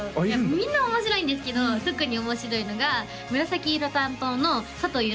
みんな面白いんですけど特に面白いのが紫色担当の佐藤優